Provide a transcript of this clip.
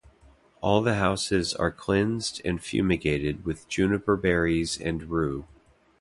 All the houses are cleansed and fumigated with juniper berries and rue.